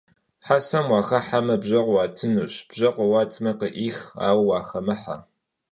Xasem vuaxıheme, bje khuatınuş; bje khuatme, khê'ıx, aue vuaxuêmıfe.